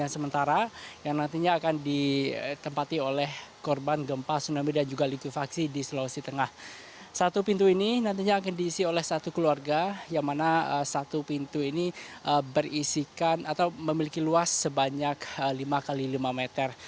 sementara itu satu pintu ini akan diisi oleh satu keluarga yang memiliki luas sebanyak lima x lima meter